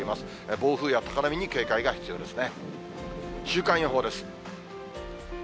暴風や高波に警戒が必要ですね。